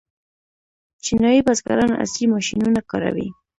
چینايي بزګران عصري ماشینونه کاروي.